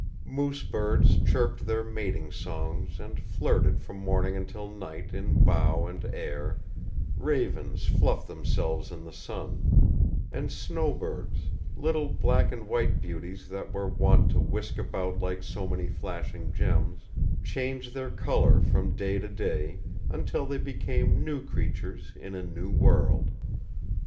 Moose birds chirped their mating songs and flirted from morning until night in bough and air; ravens fluffed themselves in the sun; and snowbirds little black and white beauties that were wont to whisk about like so many flashing gems changed their color from day to day until they became new creatures in a new world.